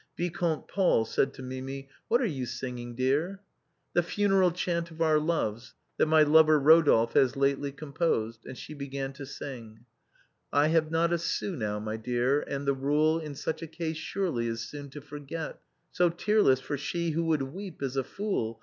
Vicomte Paul said to Mimi :" What are you singing, dear ?"" The funeral chant of our loves, that my lover Eodolphe has lately composed." And she began to sing :" I have not a sou now, my dear, and the rule In such a case surely is soon to forget, So tearless, for she who would weep is a fool.